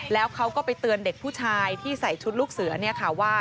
แล้วเขาก็ไปเตือนเด็กผู้ชายที่ใส่ชุดลูกเสือเนี่ยค่ะว่า